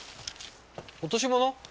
落とし物？